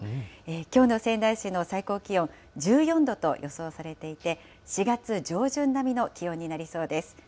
きょうの仙台市の最高気温、１４度と予想されていて、４月上旬並みの気温になりそうです。